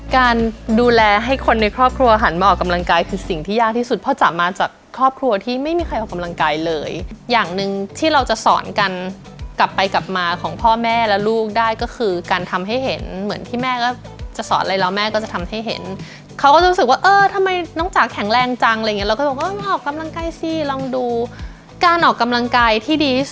การดูแลให้คนในครอบครัวหันมาออกกำลังกายคือสิ่งที่ยากที่สุดพ่อจ๋ามาจากครอบครัวที่ไม่มีใครออกกำลังกายเลยอย่างหนึ่งที่เราจะสอนกันกลับไปกลับมาของพ่อแม่และลูกได้ก็คือการทำให้เห็นเหมือนที่แม่ก็จะสอนอะไรแล้วแม่ก็จะทำให้เห็นเขาก็รู้สึกว่าเออทำไมน้องจ๋าแข็งแรงจังอะไรอย่างเงี้เราก็บอกว่ามาออกกำลังกายสิลองดูการออกกำลังกายที่ดีที่สุด